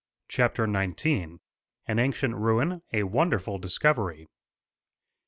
*CHAPTER XIX.* *An Ancient Ruin; A Wonderful Discovery.